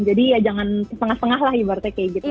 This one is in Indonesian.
jadi ya jangan setengah setengah lah ibaratnya kayak gitu